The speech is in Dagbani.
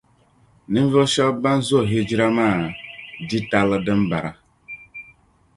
Ninvuɣu shεba ban zo hijira maa di tarili din bara.